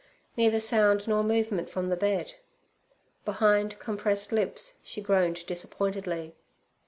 Neither sound nor movement from the bed. Behind compressed lips she groaned disappointedly.